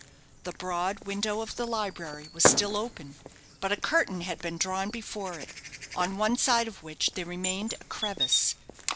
The broad window of the library was still open; but a curtain had been drawn before it, on one side of which there remained a crevice.